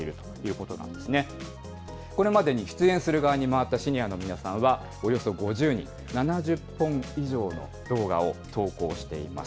これまでに出演する側に回ったシニアの皆さんはおよそ５０人、７０本以上の動画を投稿しています。